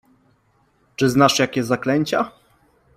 Czy znasz jakie zaklęcia?